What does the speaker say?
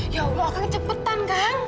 ya allah akang cepetan kang